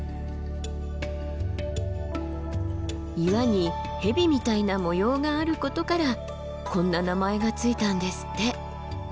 岩に蛇みたいな模様があることからこんな名前が付いたんですって。